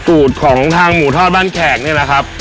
สูตรของทางหมูทอดบ้านแขกเนี่ยนะครับ